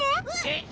えっ？